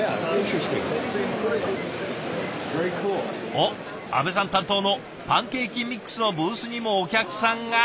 おっ阿部さん担当のパンケーキミックスのブースにもお客さんが。